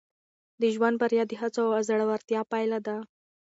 د ژوند بریا د هڅو او زړورتیا پایله ده.